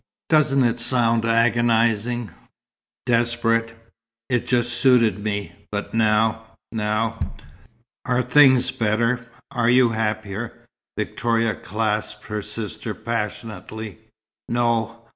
Doesn't it sound agonizing desperate? It just suited me. But now now " "Are things better? Are you happier?" Victoria clasped her sister passionately. "No.